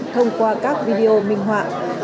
thông qua các video minh họa